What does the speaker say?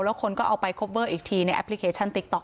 แล้วคนก็เอาไปอีกทีในแอปพลิเคชันติ๊กต๊อก